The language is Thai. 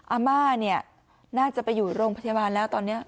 อาม่าเนี่ยน่าจะไปอยู่โรงพยาบาลแล้วตอนนี้